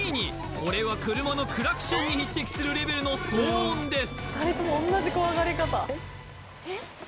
これは車のクラクションに匹敵するレベルの騒音です